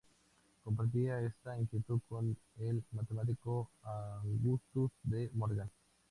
Compartía esta inquietud con el matemático Augustus De Morgan.